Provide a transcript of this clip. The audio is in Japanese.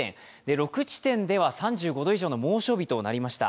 ６地点では３５度以上の猛暑日となりました。